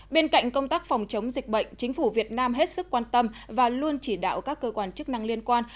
bên cạnh công tác phòng chống dịch bệnh chính phủ việt nam hết sức quan tâm và luôn chỉ đạo các cơ quan chức năng liên quan